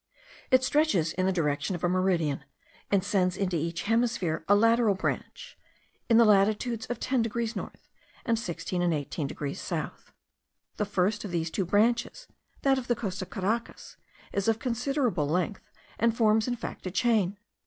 It stretches in the direction of a meridian, and sends into each hemisphere a lateral branch, in the latitudes of 10 degrees north, and 16 and 18 degrees south. The first of these two branches, that of the coast of Caracas, is of considerable length, and forms in fact a chain.